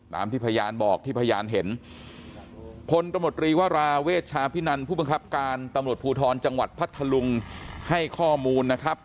ตามที่พยานบอกที่พยานเห็นพลตมตรีวราเวชชาพินันผู้บังคับการตำรวจภูทรจังหวัดพัทธลุงให้ข้อมูลนะครับ